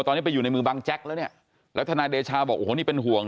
ตอนนี้ไปอยู่ในมือบังแจ็คแล้วเนี่ยแล้วทนายเดชาบอกโอ้โหนี่เป็นห่วง